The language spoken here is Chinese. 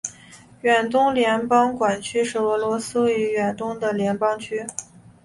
远东联邦管区是俄罗斯位于远东的联邦区。